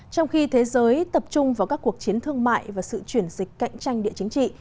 trong khi thế giới tập trung vào các cuộc chiến thương mại và sự chuyển dịch cạnh tranh địa chính trị